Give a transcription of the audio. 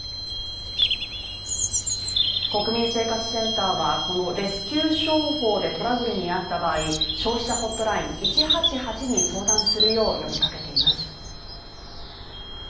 国民生活センターはこのレスキュー商法でトラブルに遭った場合、消費者ホットライン１８８に相談するよう呼びかけています。